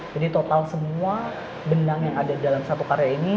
jadi total semua benang yang ada di dalam satu karya ini